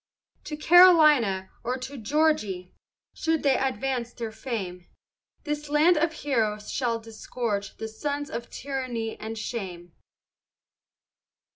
To Carolina or to Georg'y, Should they next advance their fame, This land of heroes shall disgorge the Sons of tyranny and shame.